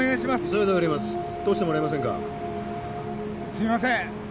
すいません。